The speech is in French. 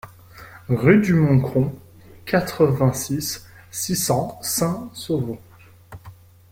Rue du Moncro, quatre-vingt-six, six cents Saint-Sauvant